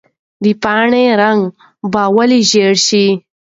د پاڼې رنګ به ولې ژېړ شي؟